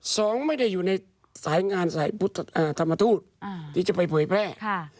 สองไม่ได้อยู่ในสายงานสายพุทธธรรมทูตที่จะไปเผยแพร่